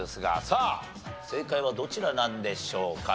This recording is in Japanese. さあ正解はどちらなんでしょうか。